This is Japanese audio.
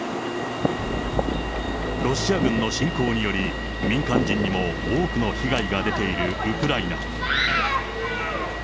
ロシア軍の侵攻により、民間人にも多くの被害が出ているウクライナ。